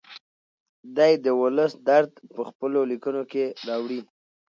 دی د ولس درد په خپلو لیکنو کې راوړي.